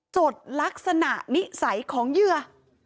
จดลักษณะนิสัยของเหยื่อ